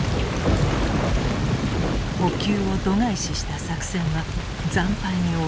補給を度外視した作戦は惨敗に終わった。